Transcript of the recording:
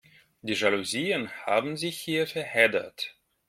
Die Jalousien haben sich hier verheddert.